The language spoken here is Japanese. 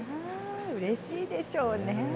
うれしいでしょうね。